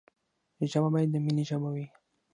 ژبه باید د ميني ژبه وي.